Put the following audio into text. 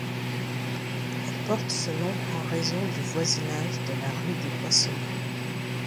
Elle porte ce nom en raison du voisinage de la rue des Poissonniers.